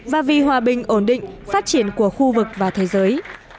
và vì hòa bình ổn định phát triển của khu vực và thế giới